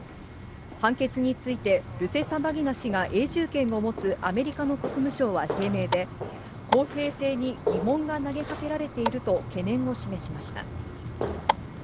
判決についてルセサバギナ氏が永住権を持つアメリカの国務省は声明で、公平性に疑問が投げかけられていると懸念を示しました。